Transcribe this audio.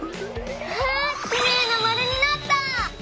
わあきれいなまるになった！